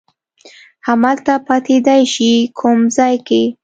همدلته پاتېدای شې، کوم ځای کې؟